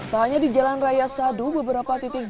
tak hanya di jalan raya sadu beberapa titik